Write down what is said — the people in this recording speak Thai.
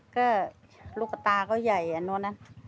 ก็ลูกตาเขาใหญ่อันนู้นนั้น